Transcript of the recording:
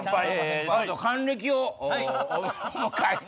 還暦をお迎えに。